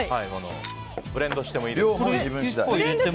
ブレンドしてもいいです。